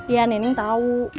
iya nenek tau